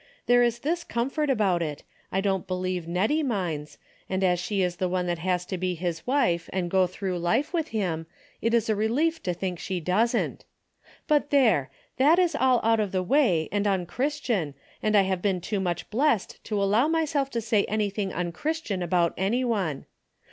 There is this com fort about it, I don't believe Hettie minds, and as she is the one that has to be his wife and go through life with him, it is a relief to think she doesn't. But there ! That is all out of the way, and unchristian, and I have been too much blessed to allow myself to say anything unchristian about any one.